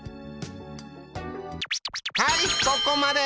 はいここまで！